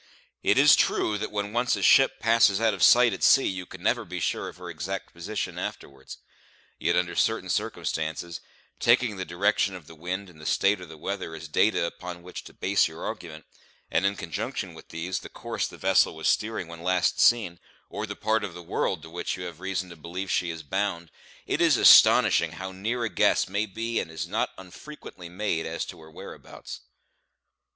It is true that when once a ship passes out of sight at sea you can never be sure of her exact position afterwards; yet, under certain circumstances, taking the direction of the wind and the state of the weather as data upon which to base your argument, and, in conjunction with these, the course the vessel was steering when last seen, or the part of the world to which you have reason to believe she is bound, it is astonishing how near a guess may be and is not unfrequently made as to her whereabouts.